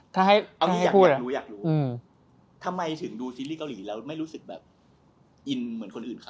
เอาอันนี้อยากรู้